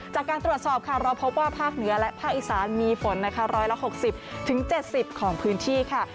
จากการตรวจสอบค่ะเราพบว่าภาคเหนือและภาคอีสานมีฝนนะคะ๑๖๐๗๐ของพื้นที่ค่ะ